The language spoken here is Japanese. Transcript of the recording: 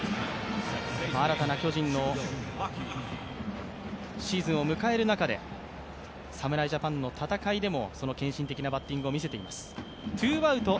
新たな巨人のシーズンを迎える中で侍ジャパンの戦いでも、その献身的なバッティングを見せています。